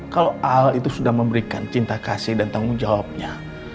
kalau al itu sudah memberikan cinta kasih dan tanggung jawabnya